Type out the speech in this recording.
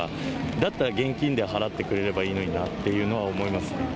だったら現金で払ってくれればいいのになというのは思いますね。